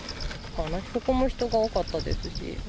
ここも人が多かったですし。